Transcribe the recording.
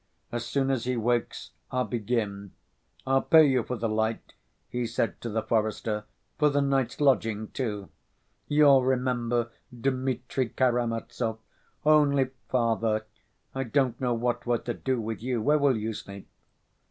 As soon as he wakes I'll begin. I'll pay you for the light," he said to the forester, "for the night's lodging, too; you'll remember Dmitri Karamazov. Only, Father, I don't know what we're to do with you. Where will you sleep?"